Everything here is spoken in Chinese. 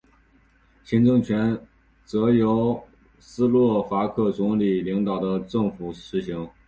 行政权则由斯洛伐克总理领导的政府行使。